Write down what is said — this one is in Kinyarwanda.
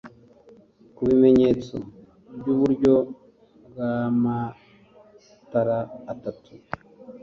ku bimenyetso byuburyo bwamatara atatu